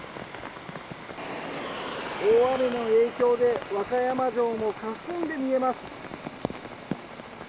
大雨の影響で和歌山城もかすんで見えます。